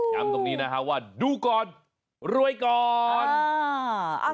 ตรงนี้นะฮะว่าดูก่อนรวยก่อน